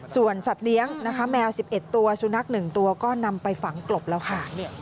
ส่วนสัตว์เลี้ยงนะคะแมว๑๑ตัวสุนัข๑ตัวก็นำไปฝังกลบแล้วค่ะ